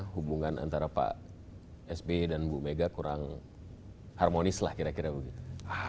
hubungan antara pak sby dan bu mega kurang harmonis lah kira kira begitu